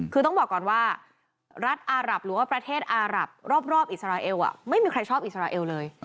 คือต้องบอกก่อนว่ารัฐอารับหรือว่าประเทศอารับรอบอิสราเอลไม่มีใครชอบอิสราเอลเลย